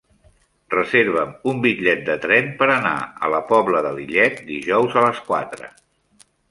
Reserva'm un bitllet de tren per anar a la Pobla de Lillet dijous a les quatre.